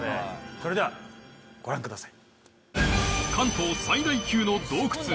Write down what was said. それではご覧ください。